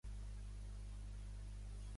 El seu cognom és Egido: e, ge, i, de, o.